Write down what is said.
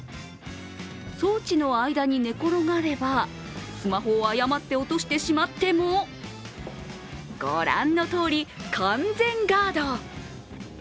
装置の間に寝転がればスマホを誤って落としてしまってもご覧のとおり、完全ガード。